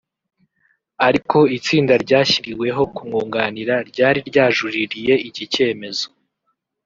Ariko itsinda ryashyiriweho kumwunganira ryari ryajuririye iki cyemezo